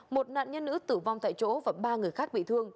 một nạn nhân nữ tử vong tại chỗ và ba người khác bị thương